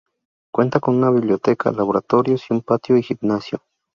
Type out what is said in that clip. Cuenta con una biblioteca, laboratorios, un patio y gimnasio.